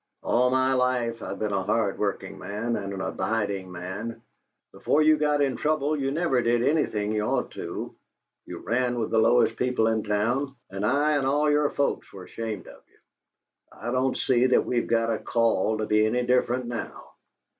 All my life I've been a hard working man and an abiding man. Before you got in trouble you never did anything you ought to; you ran with the lowest people in town, and I and all your folks were ashamed of you. I don't see that we've got a call to be any different now."